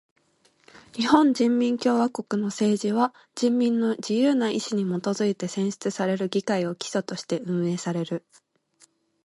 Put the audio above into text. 日本人民共和国の政治は人民の自由な意志にもとづいて選出される議会を基礎として運営される。